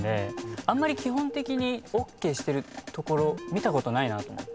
あんまり基本的にＯＫしてる所見たことないなと思って。